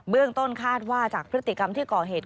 เรื่องต้นคาดว่าจากพฤติกรรมที่ก่อเหตุ